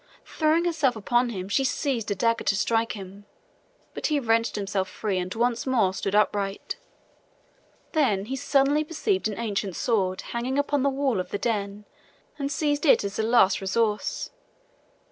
Throwing herself upon him, she seized a dagger to strike him; but he wrenched himself free and once more stood upright. Then he suddenly perceived an ancient sword hanging upon the wall of the den, and seized it as a last resource.